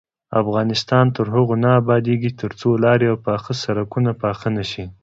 افغانستان تر هغو نه ابادیږي، ترڅو لارې او سرکونه پاخه نشي.